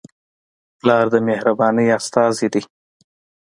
پلار د مهربانۍ استازی دی.